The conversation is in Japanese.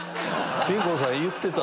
ピン子さん言ってた。